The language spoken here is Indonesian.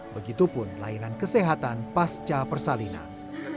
begitupun layanan kesehatan pasca persalinan